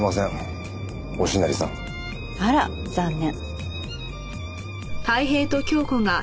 あら残念。